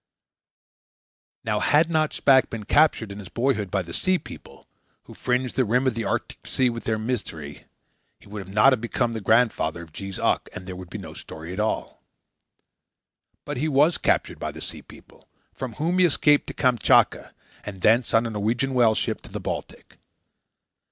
Now had not Shpack been captured in his boyhood by the Sea People, who fringe the rim of the Arctic Sea with their misery, he would not have become the grandfather of Jees Uck and there would be no story at all. But he WAS captured by the Sea People, from whom he escaped to Kamchatka, and thence, on a Norwegian whale ship, to the Baltic.